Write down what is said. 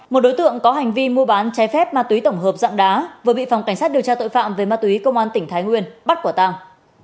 một đối tượng có hành vi mua bán trái phép ma túy tổng hợp dạng đá vừa bị phòng cảnh sát điều tra tội phạm về ma túy công an tỉnh thái nguyên bắt quả tàng